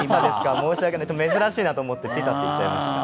申し訳ない、珍しいと思ってピザって言っちゃいました。